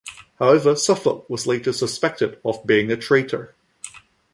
However, Suffolk was later suspected of being a traitor.